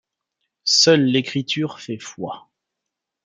Seule l'écriture fait foi.